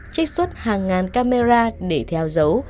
trích xuất hàng ngàn camera để theo dấu